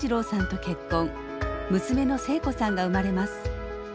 娘の聖子さんが生まれます。